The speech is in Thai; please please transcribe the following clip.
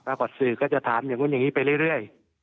ก่อนสื่อก็จะถามอย่างนู้นอย่างนี้ไปเรื่อย